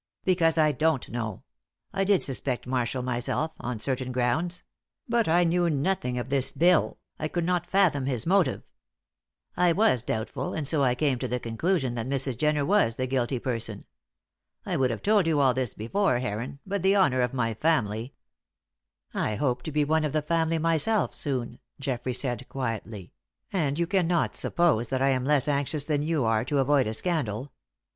"Because I don't know. I did suspect Marshall myself on certain grounds; but I knew nothing of this bill I could not fathom his motive. I was doubtful, and so I came to the conclusion that Mrs. Jenner was the guilty person. I would have told you all this before, Heron, but the honour of my family " "I hope to be one of the family myself, soon," Geoffrey said, quietly; "and you cannot suppose that I am less anxious than you are to avoid a scandal.